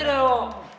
aduh ada apa ya